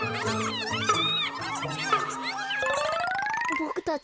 ボクたち